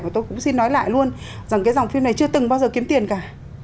và tôi cũng xin nói lại luôn rằng cái dòng phim này chưa từng bao giờ kiếm tiền cả